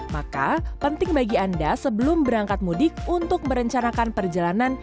maka penting bagi anda sebelum berangkat mudik untuk merencanakan perjalanan